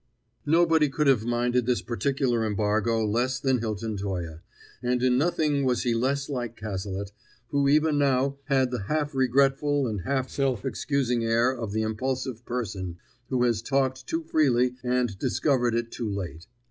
Nobody could have minded this particular embargo less than Hilton Toye; and in nothing was he less like Cazalet, who even now had the half regretful and self excusing air of the impulsive person who has talked too freely and discovered it too late.